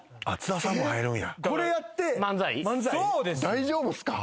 大丈夫っすか？